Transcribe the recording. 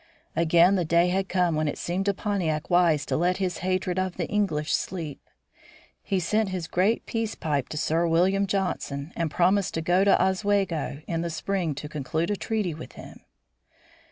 Again the day had come when it seemed to Pontiac wise to let his hatred of the English sleep. He sent his great peace pipe to Sir William Johnson and promised to go to Oswego in the spring to conclude a treaty with him.